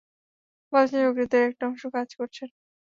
বলেছেন যকৃতের একটা অংশ কাজ করছে না।